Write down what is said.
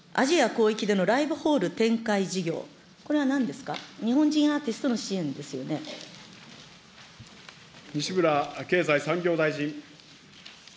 アジア広域でのライブホール展開事業、これはなんですか、日本人西村経済産業大臣。